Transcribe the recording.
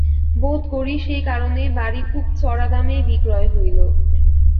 বোধ করি সেই কারণেই বাড়ি খুব চড়া দামেই বিক্রয় হইল।